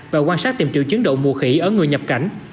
và quan sát tìm triệu chứng đầu mùa khỉ ở người nhập cảnh